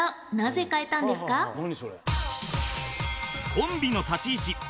コンビの立ち位置